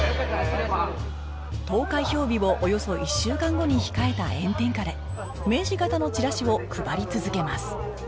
投開票日をおよそ１週間後に控えた炎天下で名刺形のチラシを配り続けます